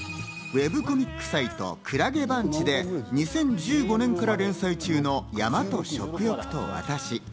ウェブコミックサイト『くらげバンチ』で２０１５年から連載中の『山と食欲と私』。